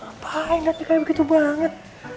ngapain nanti kayak begitu banget